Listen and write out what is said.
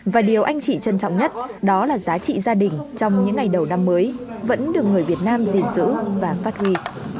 và điều anh chị trân trọng nhất đó là giá trị gia đình trong những ngày đầu năm mới vẫn được người việt nam gìn giữ và phát huy